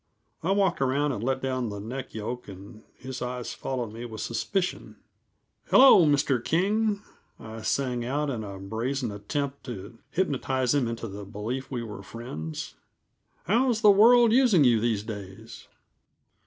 I walked around and let down the neck yoke, and his eyes followed me with suspicion. "Hello, Mr. King," I sang out in a brazen attempt to hypnotize him into the belief we were friends. "How's the world using you, these days?"